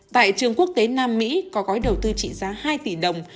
tại trường quốc tế nam mỹ có gói đầu tư trị giá hai tỷ đồng